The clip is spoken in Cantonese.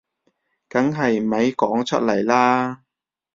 梗係咪講出嚟啦